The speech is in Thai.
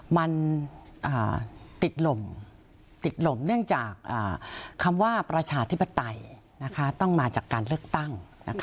มันติดหล่มเนื่องจากคำว่าประชาธิปไตยต้องมาจากการเลือกตั้ง